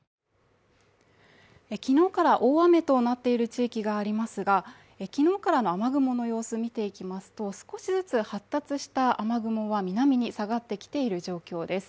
昨日から大雨となっている地域がありますが昨日からの雨雲の様子見ていきますと少しずつ発達した雨雲は南に下がってきている状況です。